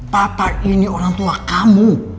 papa ini orang tua kamu